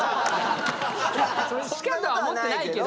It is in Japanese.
それしかとは思ってないけど。